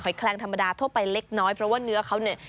แคลงธรรมดาทั่วไปเล็กน้อยเพราะว่าเนื้อเขาเนี่ย